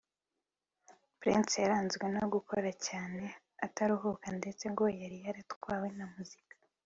Prince yaranzwe no gukora cyane ataruhuka ndetse ngo yari yaratwawe na muzika